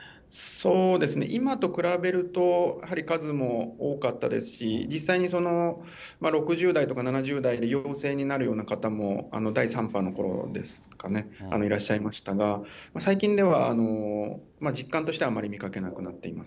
そうですね、今と比べると、やはり数も多かったですし、実際にその、６０代とか７０代で陽性になるような方も第３波のころですかね、いらっしゃいましたが、最近では実感としては、あまり見かけなくなっています。